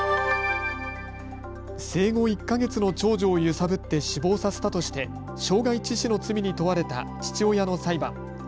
生後１か月の長女を揺さぶって死亡させたとして傷害致死の罪に問われた父親の裁判。